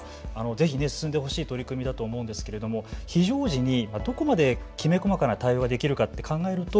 ぜひ進んでほしい取り組みだと思うんですが非常時にどこまできめ細やかな対応ができるかを考えると